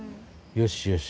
よしよし。